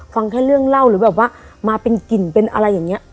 ฟังแค่เรื่องเล่าหรือแบบว่ามาเป็นกลิ่นเป็นอะไรอย่างนี้